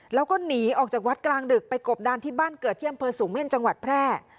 แล้วก็หนีออกจากวัดกลางดึกไปกบดานที่บ้านเกิดที่อำเภอสูงเม่นจังหวัดแพร่